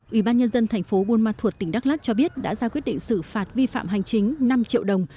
ủy ban nhân dân thành phố buôn ma thuột tỉnh đắk lắc cho biết đã ra quyết định xử phạt vi phạm hành chính năm triệu đồng